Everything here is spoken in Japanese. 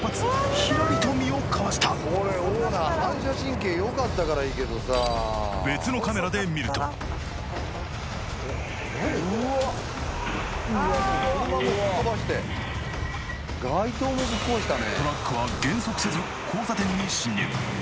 ひらりと身をかわした別のカメラで見るとトラックは減速せず交差点に進入